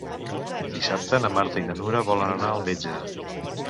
Dissabte na Marta i na Nura volen anar al metge.